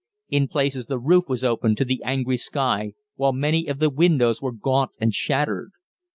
In places the roof was open to the angry sky, while many of the windows were gaunt and shattered.